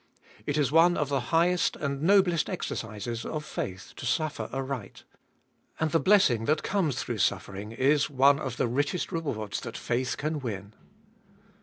It is one of the highest and noblest exercises of faith to suffer aright. And the blessing that comes through suffering is one of the richest rewards that faith can win.